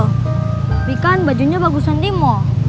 tapi kan bajunya bagusan di mall